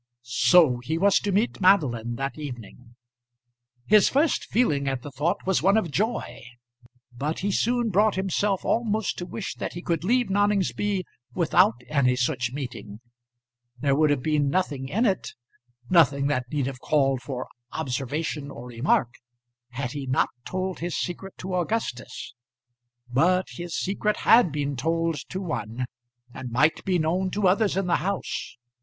So he was to meet Madeline that evening. His first feeling at the thought was one of joy, but he soon brought himself almost to wish that he could leave Noningsby without any such meeting. There would have been nothing in it, nothing that need have called for observation or remark, had he not told his secret to Augustus. But his secret had been told to one, and might be known to others in the house.